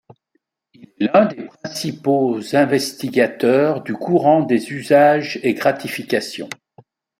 Il est l'un des principaux investigateurs du courant des Usages et gratifications.